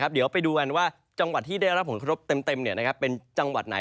เดี๋ยวไปดูกันว่าจังหวัดที่ได้รับผลกระทบเต็มเป็นจังหวัดไหน